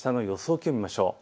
気温を見ましょう。